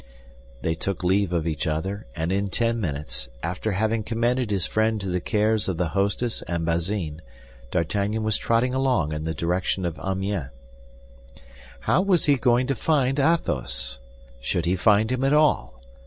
They took leave of each other, and in ten minutes, after having commended his friend to the cares of the hostess and Bazin, D'Artagnan was trotting along in the direction of Amiens. How was he going to find Athos? Should he find him at all?